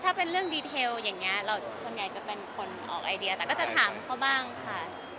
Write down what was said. ถ้าเป็นเรื่องดีเทลอย่างนี้ส่วนใหญ่จะเป็นคนออกไอเดียแต่ก็จะถามเขาบ้างค่ะ